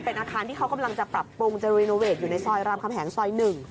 เป็นอาคารที่เขากำลังจะปรับปรุงจะรีโนเวทอยู่ในซอยรามคำแหงซอย๑